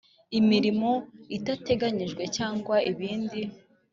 Imirimo itateganyijwe cyangwa ibindi